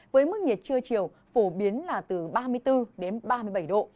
với mức nhiệt trưa chiều phổ biến là từ ba mươi bốn đến ba mươi bảy độ